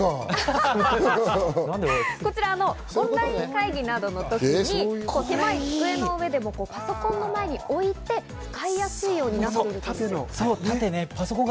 こちらはオンライン会議などの時に狭い机の上でもパソコンの前に置いて使いやすいようになっているという。